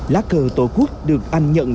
lá cờ tổ quốc được anh nhận